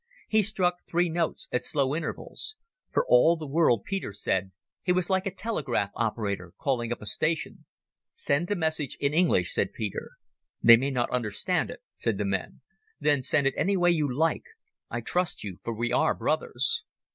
He struck three notes at slow intervals. For all the world, Peter said, he was like a telegraph operator calling up a station. "Send the message in English," said Peter. "They may not understand it," said the man. "Then send it any way you like. I trust you, for we are brothers."